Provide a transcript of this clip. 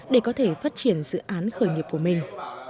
để có thể phát triển dự án khởi nghiệp của mình